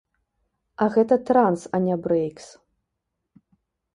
А гэта транс, а не брэйкс.